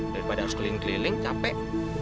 daripada harus keliling keliling capek